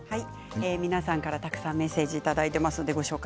皆さんからたくさんメッセージいただいています。